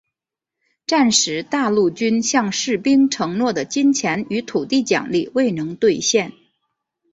战时大陆军向士兵承诺的金钱与土地奖励未能兑现。